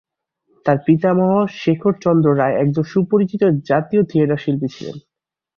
তার পিতামহ, শেখর চন্দ্র রায় একজন সুপরিচিত জাতীয় থিয়েটার শিল্পী ছিলেন।